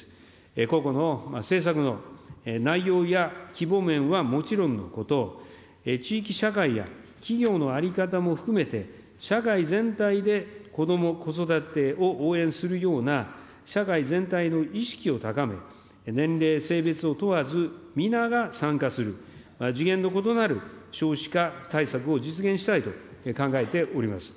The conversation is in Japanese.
個々の施策の内容や規模面はもちろんのこと、地域社会や企業の在り方も含めて、社会全体でこども・子育てを応援するような社会全体の意識を高め、年齢、性別を問わず皆が参加する、次元の異なる少子化対策を実現したいと考えております。